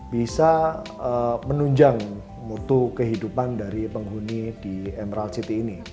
bisa menunjang mutu kehidupan dari penghuni di emerald city ini